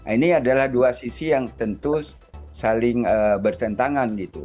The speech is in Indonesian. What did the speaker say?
ini adalah dua sisi yang tentu saling bertentangan gitu